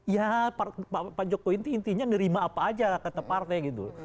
ya pak jokowi itu intinya nerima apa aja kata partai gitu